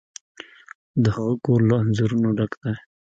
د هغه کور له انځورونو څخه ډک دی.